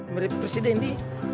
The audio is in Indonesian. mirip presiden di